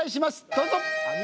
どうぞ！